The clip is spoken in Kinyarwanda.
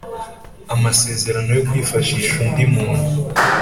Amasezerano yo kwifashisha undi muntu